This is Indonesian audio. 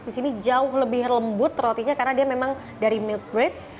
di sini jauh lebih lembut rotinya karena dia memang dari milk bread